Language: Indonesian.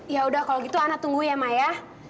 ya udah kalau gitu anak tunggu ya mak ya